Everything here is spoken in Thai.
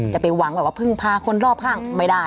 จะไปหวังแบบว่าพึ่งพาคนรอบข้างไม่ได้